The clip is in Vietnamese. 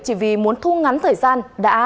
chỉ vì muốn thu ngắn thời gian đã